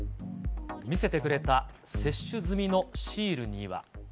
見せてくれた接種済みのシールには。